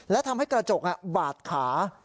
และทำให้กระจกบาดขา